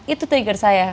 itu trigger saya